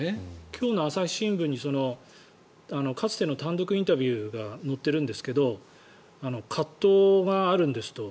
今日の朝日新聞にかつての単独インタビューが載っているんですが葛藤があるんですと。